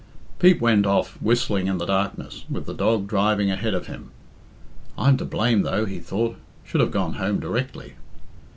Pete went off whistling in the darkness, with the dog driving ahead of him. "I'm to blame, though," he thought. "Should have gone home directly."